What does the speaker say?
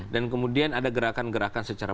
dan kemudian ada gerakan gerakan secara